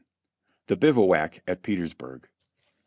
THE BIVOUAC AT PETERSBURG.